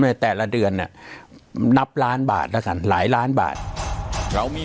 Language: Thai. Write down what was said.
แต่ละเดือนเนี่ยนับล้านบาทแล้วกันหลายล้านบาทเรามี